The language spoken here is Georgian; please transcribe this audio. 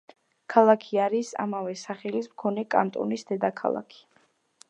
ქალაქი არის ამავე სახელის მქონე კანტონის დედაქალაქი.